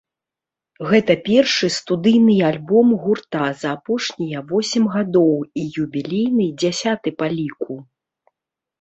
Гэта першы студыйны альбом гурта за апошнія восем гадоў і юбілейны, дзясяты па ліку.